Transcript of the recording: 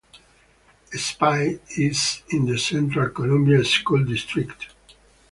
Espy is in the Central Columbia School District.